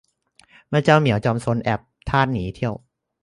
เมื่อเจ้าเหมียวจอมซนแอบทาสหนีเที่ยว